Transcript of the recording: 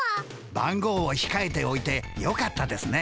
番号をひかえておいてよかったですね。